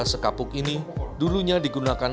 sekapuk ini dulunya digunakan